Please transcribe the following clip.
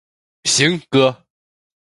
行，哥！